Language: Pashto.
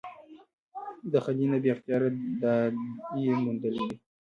د خلي نه بې اختياره داد ئې موندلے دے ۔